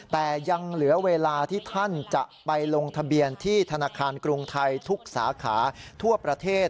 แต่ยังเหลือเวลาที่ท่านจะไปลงทะเบียนที่ธนาคารกรุงไทยทุกสาขาทั่วประเทศ